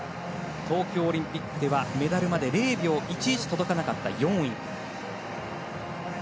東京オリンピックではメダルまで０秒１１届かなかった４位。